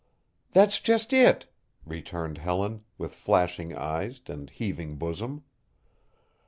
"That's just it," returned Helen with flashing eyes and heaving bosom.